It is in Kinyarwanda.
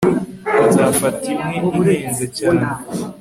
Nzafata imwe ihenze cyane